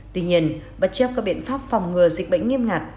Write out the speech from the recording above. tuy nhiên bất chấp các biện pháp phòng ngừa dịch bệnh nghiêm ngặt